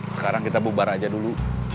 sekarang kita bubar aja dulu